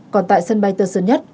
còn tại sân bay tơ sơn nhất